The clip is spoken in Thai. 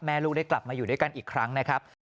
ลูกได้กลับมาอยู่ด้วยกันอีกครั้งนะครับ